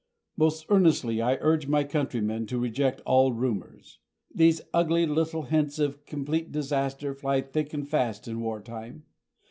Most earnestly I urge my countrymen to reject all rumors. These ugly little hints of complete disaster fly thick and fast in wartime.